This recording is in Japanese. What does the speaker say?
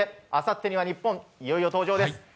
あさってには日本いよいよ登場です。